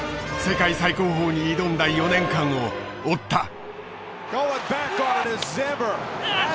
世界最高峰に挑んだ４年間を追った。